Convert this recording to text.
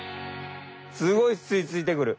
すごいすいついてくる。